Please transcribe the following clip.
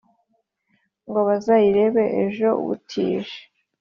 Ngo bazayireba ejo butije